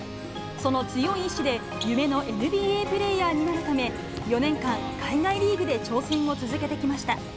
その強い意志で、夢のＮＢＡプレーヤーになるため、４年間、海外リーグで挑戦を続けてきました。